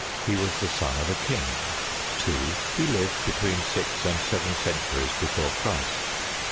He was the son of a king. 2. He lived between six and seven centuries before Christ.